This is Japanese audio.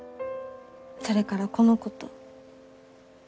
それからこの子と。